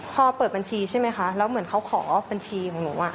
พอเปิดบัญชีใช่ไหมคะแล้วเหมือนเขาขอบัญชีของหนู